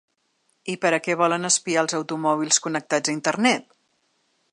I per a què volen espiar els automòbils connectats a internet?